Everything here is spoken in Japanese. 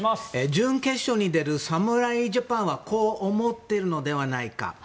準決勝に出る侍ジャパンはこう思っているのではないか。